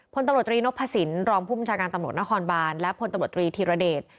พตรงโพษิ้นรองผู้บัญชาการตำรวจหน้าคอนบ่านและพตรภิรดิจ